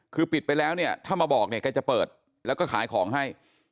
คือปิดไปแล้วเนี่ยถ้ามาบอกเนี่ยแกจะเปิดแล้วก็ขายของให้